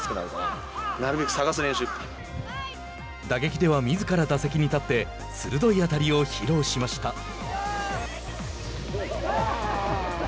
打撃ではみずから打席に立って鋭い当たりを披露しました。